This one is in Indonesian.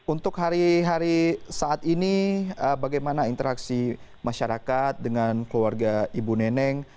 untuk hari hari saat ini bagaimana interaksi masyarakat dengan keluarga ibu neneng